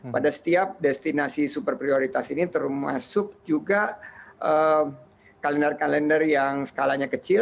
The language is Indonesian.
pada setiap destinasi super prioritas ini termasuk juga kalender kalender yang skalanya kecil